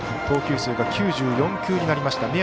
投球数が９４球になりました。